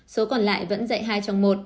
số còn lại vẫn dạy hai trong một